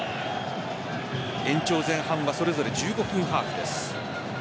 延長前半はそれぞれ１５分ハーフです。